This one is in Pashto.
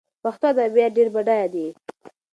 پښتو ادبيات ډېر بډايه دي.